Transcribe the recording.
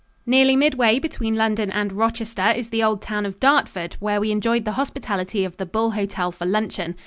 Nearly midway between London and Rochester is the old town of Dartford, where we enjoyed the hospitality of the Bull Hotel for luncheon.